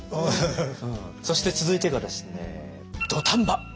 そして続いてがですね「土壇場」。